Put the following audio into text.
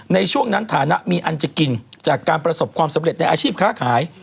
ในช่วงนั้นฐานะมีอันจะกินจากการประสบความสำเร็จในอาชีพค้าขาย